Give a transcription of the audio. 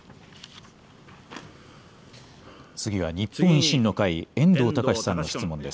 次は日本維新の会、遠藤敬さんの質問です。